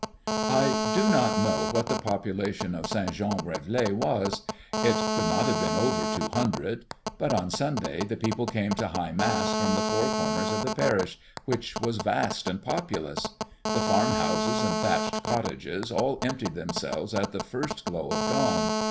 I do not know what the population of St. Jean Brévelay was. It could not have been over two hundred; but on Sunday the people came to High Mass from the four corners of the parish, which was vast and populous. The farmhouses and thatched cottages all emptied themselves at the first glow of dawn.